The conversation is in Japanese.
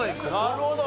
なるほど。